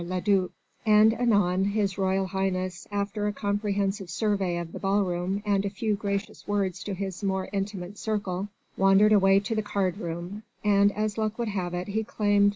le duc: and anon His Royal Highness, after a comprehensive survey of the ball room and a few gracious words to his more intimate circle, wandered away to the card room, and as luck would have it he claimed M.